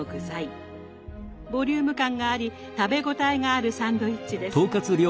ボリューム感があり食べ応えがあるサンドイッチです。